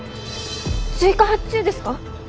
追加発注ですか？